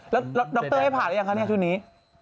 แล้วดรให้ผ่านแล้วยังคะชุดนี้